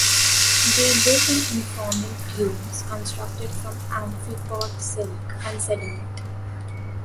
They live in infaunal tubes, constructed from "amphipod silk" and sediment.